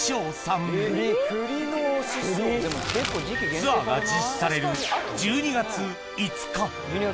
ツアーが実施される１２月５日